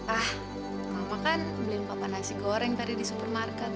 ah mama kan beli papa nasi goreng tadi di supermarket